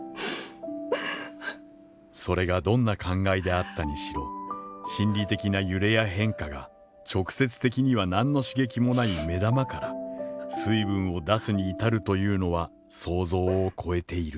「それがどんな感慨であったにしろ、心理的な揺れや変化が直接的にはなんの刺激もない目玉から水分を出すに至るというのは想像を超えている」。